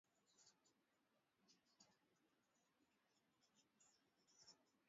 akiwa jijini tunis waziri wa mambo ya ndani faharaji raji